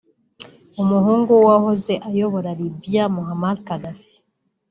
umuhungu w’uwahoze ayobora Libya Muammar Gaddafi